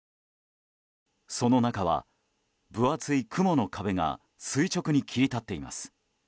その中は分厚い雲の壁が垂直に切り立っています。